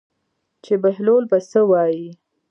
چې بهلول به څه وایي.